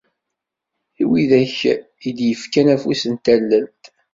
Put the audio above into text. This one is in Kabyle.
D wid akk i d-yefkan afus n tallelt.